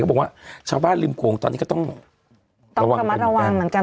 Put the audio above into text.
บอกว่าชาวบ้านริมโขงตอนนี้ก็ต้องระมัดระวังเหมือนกัน